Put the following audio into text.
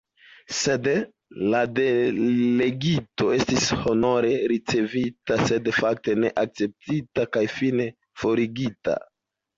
Sed la delegito estis honore ricevita sed, fakte, ne akceptita kaj fine forigita!